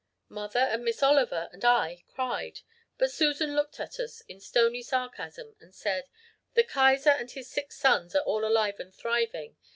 Mother and Miss Oliver and I cried but Susan looked at us in stony sarcasm and said, 'The Kaiser and his six sons are all alive and thriving.